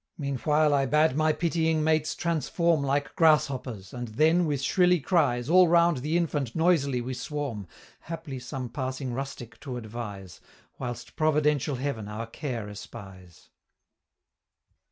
Meanwhile I bade my pitying mates transform Like grasshoppers, and then, with shrilly cries, All round the infant noisily we swarm, Haply some passing rustic to advise Whilst providential Heaven our care espies."